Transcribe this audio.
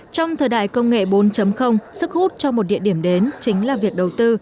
trong thời đại công nghệ bốn sức hút cho một địa điểm đến chính là việc đầu tư